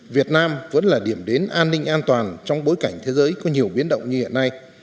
việt nam vẫn là điểm đến an ninh an toàn trong bối cảnh thế giới có nhiều biến động như hiện nay